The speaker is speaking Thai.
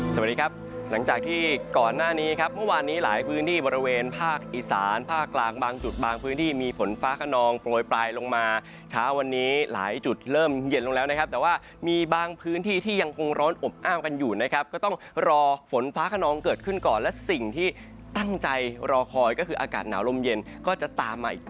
สวัสดีครับหลังจากที่ก่อนหน้านี้ครับเมื่อวานนี้หลายพื้นที่บริเวณภาคอีสานภาคกลางบางจุดบางพื้นที่มีฝนฟ้าขนองโปรยปลายลงมาเช้าวันนี้หลายจุดเริ่มเย็นลงแล้วนะครับแต่ว่ามีบางพื้นที่ที่ยังคงร้อนอบอ้าวกันอยู่นะครับก็ต้องรอฝนฟ้าขนองเกิดขึ้นก่อนและสิ่งที่ตั้งใจรอคอยก็คืออากาศหนาวลมเย็นก็จะตามมาอีก